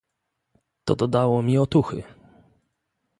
"To dodało mi otuchy."